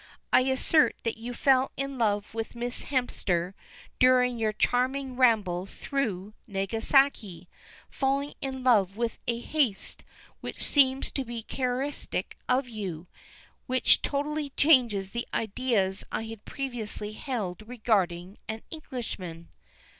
I assert that you fell in love with Miss Hemster during your charming ramble through Nagasaki; falling in love with a haste which seems to be characteristic of you, and which totally changes the ideas I had previously held regarding an Englishman."